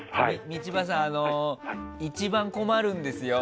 道場さん、一番困るんですよ。